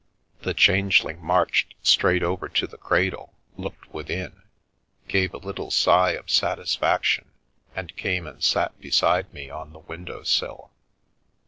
The Change ling marched straight over to the cradle, looked within, gave a little sigh of satisfaction, and came and sat beside me on the window sill.